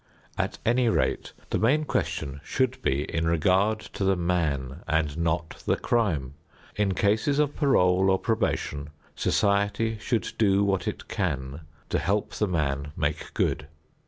At any rate, the main question should be in regard to the man and not the crime. In cases of parole or probation, society should do what it can to help the man make good.